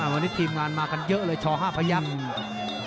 วันนี้ทีมงานมากันเยอะเลยช๕พยักษ์